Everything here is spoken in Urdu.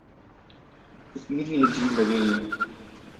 اتنی ہی عجیب لگے گی۔